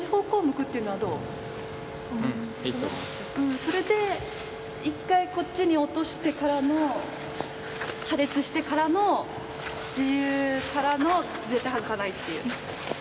それで一回こっちに落としてからの破裂してからの自由からの絶対外さないっていう。